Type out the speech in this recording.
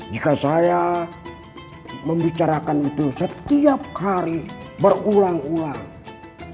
jika saya membicarakan itu setiap hari berulang ulang